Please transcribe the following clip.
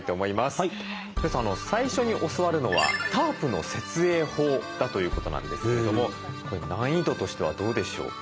最初に教わるのはタープの設営法だということなんですけどもこれ難易度としてはどうでしょう？